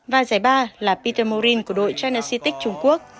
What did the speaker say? và giải ba là peter morin của đội china city trung quốc